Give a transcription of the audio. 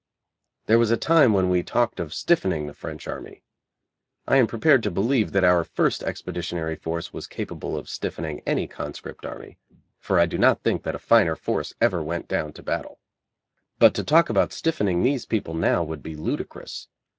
There was a time when we talked of stiffening the French army. I am prepared to believe that our first expeditionary force was capable of stiffening any conscript army, for I do not think that a finer force ever went down to battle. But to talk about stiffening these people now would be ludicrous.